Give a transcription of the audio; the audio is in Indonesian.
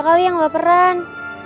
kali yang berperan